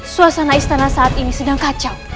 suasana istana saat ini sedang kacau